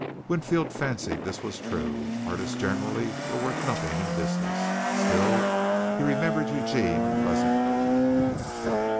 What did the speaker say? Winfield fancied this was true. Artists generally were worth nothing in business. Still, he remembered Eugene pleasantly.